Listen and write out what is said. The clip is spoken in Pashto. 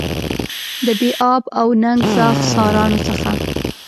د بې آب او ننګ زاغ سارانو څخه.